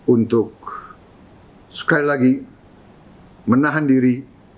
untuk sekali lagi menahan diri